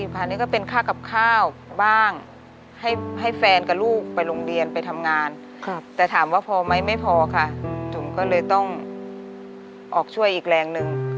๓๔บาทก็เป็นค่ากับข้าวบ้างให้แฟนกลับลูกไปโรงเรียนไปทำงานแต่ถามว่าพอไม่พอค่ะจุ๋มก็เลยต้องออกช่วยอีกแรงนึง